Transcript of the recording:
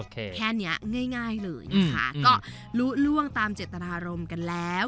แค่นี้ง่ายเลยนะคะก็ลุล่วงตามเจตนารมณ์กันแล้ว